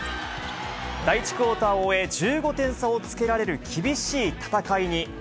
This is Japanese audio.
第１クオーターを終え、１５点差をつけられる厳しい戦いに。